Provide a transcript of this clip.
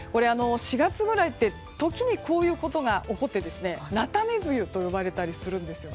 ４月ぐらいって時にこういうことが起こってなたね梅雨と呼ばれたりするんです。